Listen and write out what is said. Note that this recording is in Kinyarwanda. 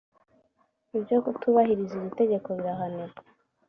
ibyo kutubahiriza iri tegeko birahanirwa